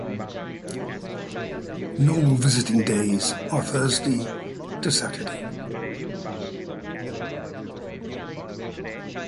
Normal visiting days are Thursday-Saturday.